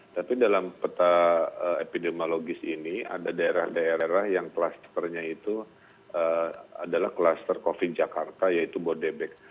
tapi dalam peta epidemiologis ini ada daerah daerah yang klasternya itu adalah kluster covid jakarta yaitu bodebek